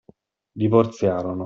Divorziarono.